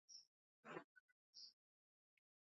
此时的天皇是平安时代之平城天皇与嵯峨天皇。